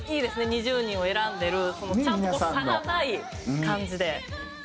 ２０人を選んでるちゃんとこう差がない感じで。